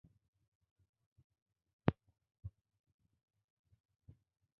সকলের ধারণা ছিল দেশে ফিরে হেমন্ত বাবু নিজ শহর কলকাতাতেই রোগী দেখবেন।